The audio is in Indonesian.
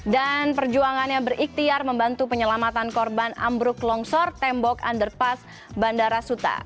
dan perjuangannya berikhtiar membantu penyelamatan korban ambruk longsor tembok underpass bandara suta